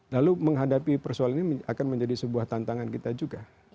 lalu menghadapi persoalan ini akan menjadi sebuah tantangan kita juga